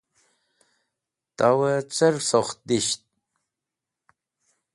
Tawẽ cẽrsokht dish?